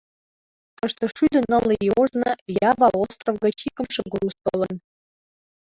Тыште шӱдӧ нылле ий ожно Ява остров гыч икымше груз толын.